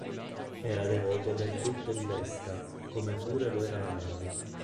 Era devoto del culto di Vesta, come pure lo era la moglie.